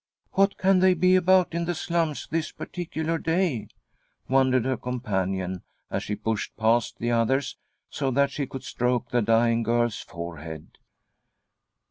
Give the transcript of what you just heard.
"What can they be about in the slums this particular day ?" wondered her companion, as she pushed past the others, so that she could stroke the dying girl's forehead.